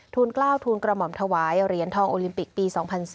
กล้าวทูลกระหม่อมถวายเหรียญทองโอลิมปิกปี๒๐๐๔